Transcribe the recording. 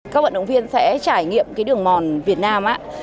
các vận động viên sẽ trải nghiệm đường mòn việt nam